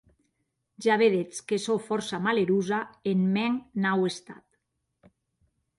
Ja vedetz que sò fòrça malerosa en mèn nau estat.